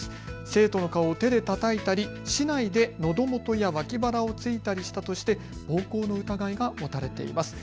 生徒の顔を手でたたいたり竹刀でのど元や脇腹を突いたりしたとして、暴行の疑いが持たれています。